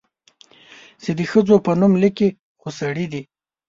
چې د ښځو په نوم ليکي، خو سړي دي؟